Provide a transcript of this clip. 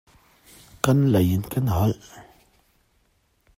Kan lei in kan holh.